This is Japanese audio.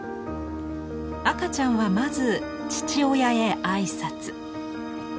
赤ちゃんはまず父親へ挨拶。